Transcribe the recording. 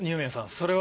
それは。